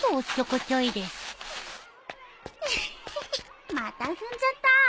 ヒヒまた踏んじゃった。